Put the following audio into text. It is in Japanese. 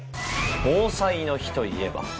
防災の日といえば。